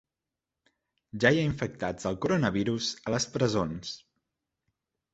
Ja hi ha infectats del coronavirus a les presons